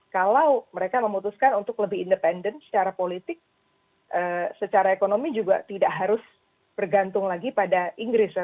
kalau mereka memutuskan untuk lebih independen secara politik secara ekonomi juga tidak harus bergantung lagi pada inggris ya